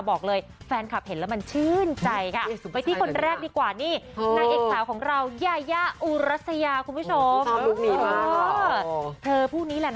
บอกเลยแฟนคลับเห็นแล้วมันชื่นใจค่ะ